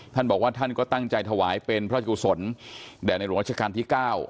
ท่านบอกว่าท่านก็ตั้งใจถวายเป็นพระราชกุศลแด่ในหลวงราชการที่๙